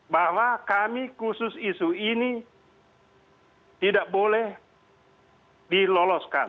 bahwa kami khusus isu ini tidak boleh diloloskan